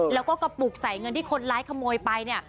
แล้วก็กระปุกใส่เงินที่คนร้ายขโมยไปเนี่ย